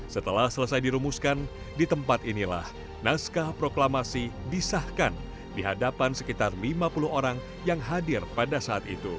setelah selesai dirumuskan di tempat inilah naskah proklamasi disahkan di hadapan sekitar lima puluh orang yang hadir pada saat itu